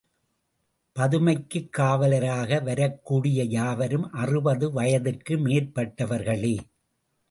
பதுமைக்குக் காவலராக வரக்கூடிய யாவரும் அறுபது வயதிற்கு மேற்பட்டவர்களே.